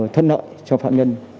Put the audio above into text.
thuận lợi cho phạm nhân